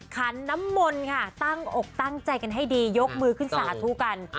ขันน้ำมนต์ค่ะตั้งอกตั้งใจกันให้ดียกมือขึ้นสาธุกัน